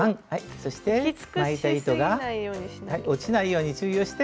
そして巻いた糸が落ちないように注意をして。